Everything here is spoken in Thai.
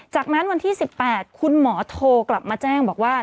จากนั้นวันที่๑๘คุณหมอโทรกลับมาแจ้งบอกว่า